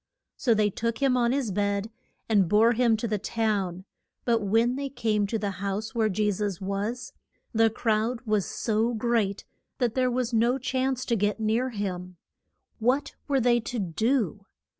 So they took him on his bed and bore him to the town; but when they came to the house where Je sus was, the crowd was so great that there was no chance to get near him. What were they to do?